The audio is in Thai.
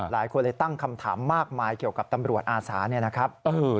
หลายคนเลยตั้งคำถามมากมายเกี่ยวกับตำรวจอาสาเนี่ยนะครับ